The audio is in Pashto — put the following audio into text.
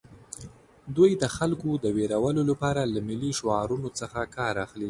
دوی د خلکو د ویرولو لپاره له ملي شعارونو څخه کار اخلي